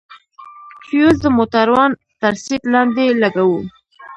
فيوز د موټروان تر سيټ لاندې لگوو.